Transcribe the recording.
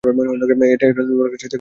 এটি neural crest কোষ থেকে উদ্ভূত।